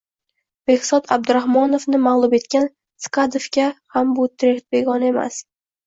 Bekzod Abdurahmonovni mag‘lub etgan Sidakovga ham bu terakt begona emas